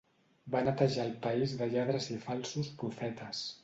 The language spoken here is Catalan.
Va netejar el país de lladres i de falsos profetes.